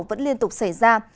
vẫn liên tục xảy ra